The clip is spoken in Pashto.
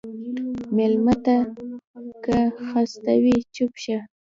مېلمه ته که خسته وي، چپ شه.